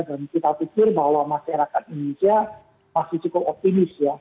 dan kita pikir bahwa masyarakat indonesia masih cukup optimis ya